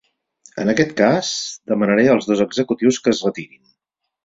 En aquest cas, demanaré als dos executius que es retirin.